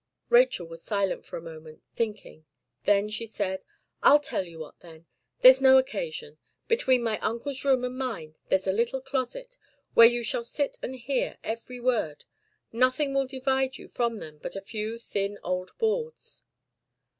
Rachel was silent for a moment, thinking. Then she said: "I'll tell you what then: there's no occasion. Between my uncle's room and mine there's a little closet, where you shall sit and hear every word. Nothing will divide you from them but a few thin old boards."